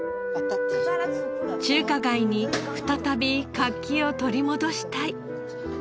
中華街に再び活気を取り戻したい。